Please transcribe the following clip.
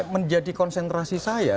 menjadi konsentrasi saya